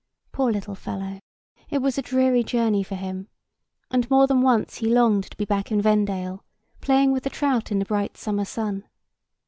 Poor little fellow, it was a dreary journey for him; and more than once he longed to be back in Vendale, playing with the trout in the bright summer sun.